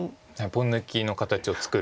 ポン抜きの形を作る。